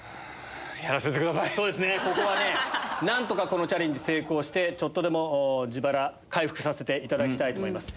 何とかこのチャレンジ成功してちょっとでも自腹回復していただきたいと思います。